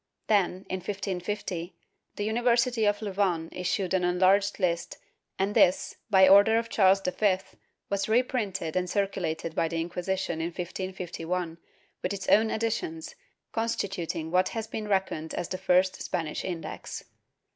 ^ Then, in 1550, the University of Louvain issued an enlarged list and this, by order of Charles V, was reprinted and circulated by the Inqui sition in 1551, with its own additions, constituting what has been reckoned as the first Spanish Index.